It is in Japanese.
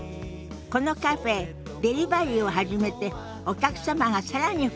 このカフェデリバリーを始めてお客様が更に増えたのよ。